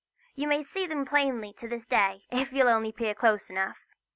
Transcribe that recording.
You may see them plainly to this day, if you'll only peer close enough.